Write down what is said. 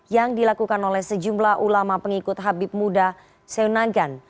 yang dilakukan oleh sejumlah ulama pengikut habib muda seunagan